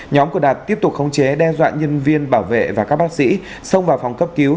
nhóm của đạt tiếp tục khống chế đe dọa nhân viên bảo vệ và các bác sĩ xông vào phòng cấp cứu